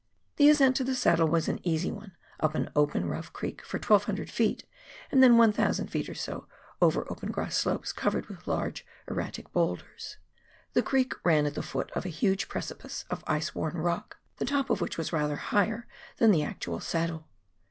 The ascent to the saddle was an easy one, up an open rough creek for 1,200 ft., and then 1,600 ft. or so over open grass slopes covered with large erratic blocks. The creek ran at the foot of a huge KARANGAEUA EIVER. 213 preclj)ice of ice worn rock, the top of whicli was rather higher than the actual saddle.